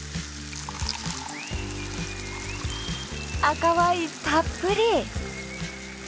赤ワインたっぷり！